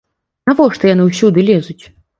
Навошта яны ўсюды лезуць?